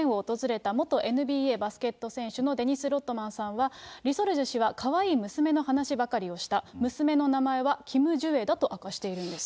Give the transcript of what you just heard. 実際に２０１３年に北朝鮮を訪れた元ＮＢＡバスケット選手のデニス・ロッドマンさんは、リ・ソルジュ氏はかわいい娘の話ばかりした、娘の名前はキム・ジュエだと明かしているんです。